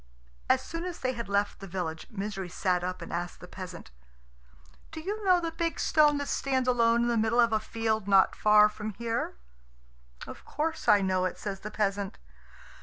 As soon as they had left the village, Misery sat up and asked the peasant, "Do you know the big stone that stands alone in the middle of a field not far from here?" "Of course I know it," says the peasant.